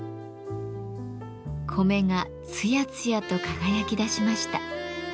米がつやつやと輝きだしました。